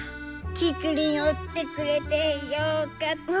キクリンおってくれてよかった！